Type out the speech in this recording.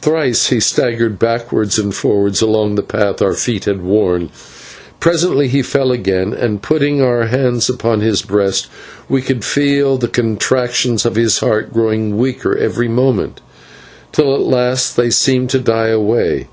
Thrice he staggered backwards and forwards along the path our feet had worn. Then he fell again, and, putting our hands upon his breast, we could feel the contractions of his heart growing weaker every moment, till at last they seemed to die away.